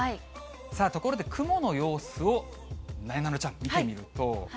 さあ、ところで雲の様子を、なえなのちゃん、見てみると。